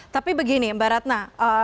tapi begini mbak ratna